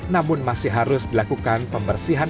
namun masih harus dilakukan untuk membuat perut terbakar